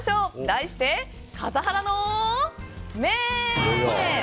題して笠原の眼！